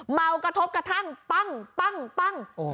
เมากระทบกระทั่งปั้งปั้ง